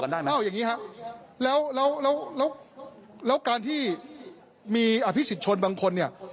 ไม่แหละครับเอาอย่างนี้ครับแล้วการที่มีอภิสิทธิ์ชนบางคน